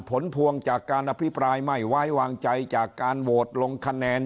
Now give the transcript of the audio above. ผลพวงจากการอภิปรายไม่ไว้วางใจจากการโหวตลงคะแนน